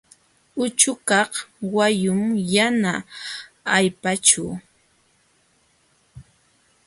Uchukaq wayun yana allpaćhu.